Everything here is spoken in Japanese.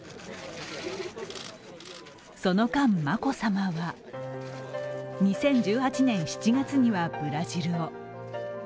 その間、眞子さまは２０１８年７月にはブラジルを。